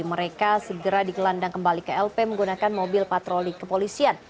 mereka segera digelandang kembali ke lp menggunakan mobil patroli kepolisian